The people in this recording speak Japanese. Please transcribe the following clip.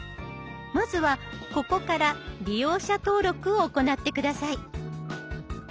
まずはここから利用者登録を行って下さい。